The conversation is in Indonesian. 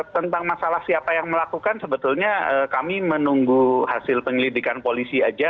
tentang masalah siapa yang melakukan sebetulnya kami menunggu hasil penyelidikan polisi aja